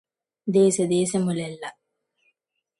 దేశదేశములెల్ల